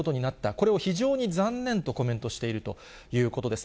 これを非常に残念とコメントしているということです。